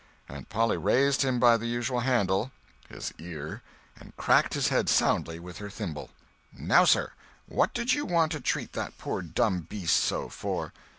Aunt Polly raised him by the usual handle—his ear—and cracked his head soundly with her thimble. "Now, sir, what did you want to treat that poor dumb beast so, for?"